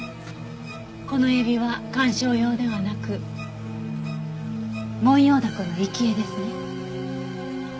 このエビは観賞用ではなくモンヨウダコの生き餌ですね？